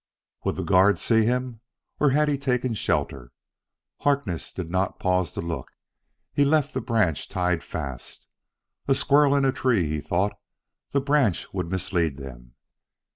Would the guard see him, or had he taken to shelter? Harkness did not pause to look. He left the branch tied fast. "A squirrel in a tree," he thought: the branch would mislead them.